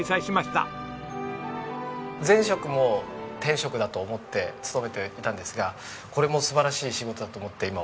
前職も天職だと思って勤めていたんですがこれも素晴らしい仕事だと思って今は。